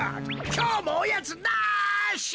きょうもおやつなし！